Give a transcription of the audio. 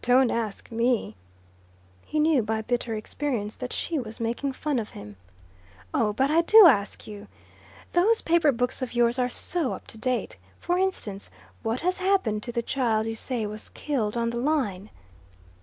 "Don't ask ME." He knew by bitter experience that she was making fun of him. "Oh, but I do ask you. Those paper books of yours are so up to date. For instance, what has happened to the child you say was killed on the line?"